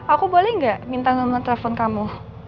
aku boleh nggak minta nama telepon kamu